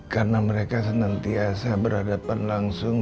karena mereka sentiasa berhadapan langsung